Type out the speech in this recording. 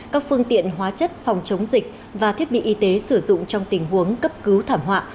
các phương tiện hóa chất phòng chống dịch và thiết bị y tế sử dụng trong tình huống cấp cứu thảm họa